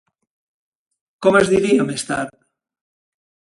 Com es diria més tard?